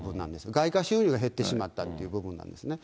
外貨収入が減ってしまったって部分なんですね。